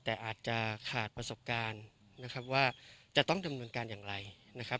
แต่อาจจะขาดประสบการณ์นะครับว่าจะต้องดำเนินการอย่างไรนะครับ